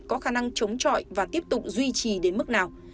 có khả năng chống trọi và tiếp tục duy trì đến mức nào